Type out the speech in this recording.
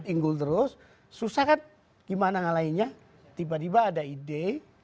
unggul terus susah kan gimana ngalahinnya tiba tiba ada ide